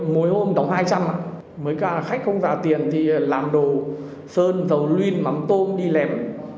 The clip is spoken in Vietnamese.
mỗi hôm đóng hai trăm linh mấy khách không giả tiền thì làm đồ sơn dầu luyên mắm tôm đi lẹp